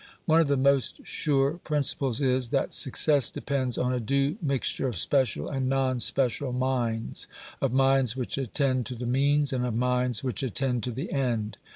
One of the most sure principles is, that success depends on a due mixture of special and non special minds of minds which attend to the means, and of minds which attend to the end.